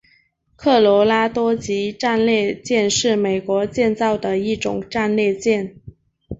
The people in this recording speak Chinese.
科罗拉多级战列舰是美国建造的一种战列舰。